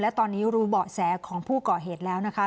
และตอนนี้รู้เบาะแสของผู้ก่อเหตุแล้วนะคะ